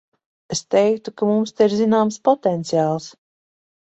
Es teiktu, ka mums te ir zināms potenciāls.